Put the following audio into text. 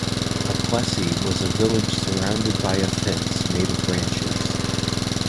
A "plessis" was a village surrounded by a fence made of branches.